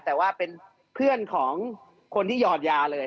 แต่ว่าเป็นเพื่อนของคนที่หยอดยาเลย